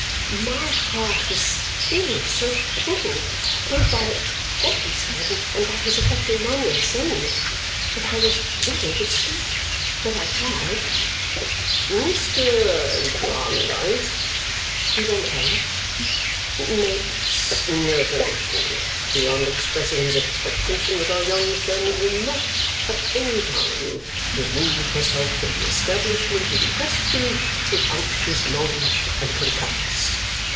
My heart was filled so full, both by what he said and by his affecting manner of saying it, that I was not able to speak, though I tried. "Mr. Jarndyce," he went on, "makes no condition beyond expressing his expectation that our young friend will not at any time remove herself from the establishment in question without his knowledge and concurrence.